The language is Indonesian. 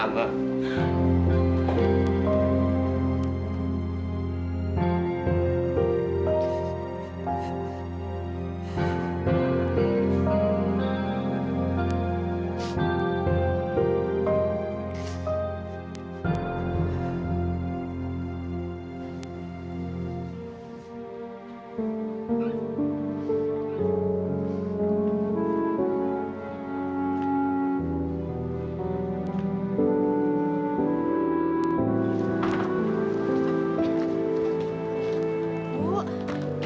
sama dia sama dia